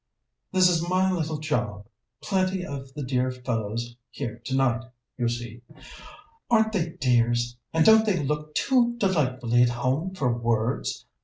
"This is my little job plenty of the dear fellows here tonight, you see. Aren't they dears, and don't they look too delightfully at home for words?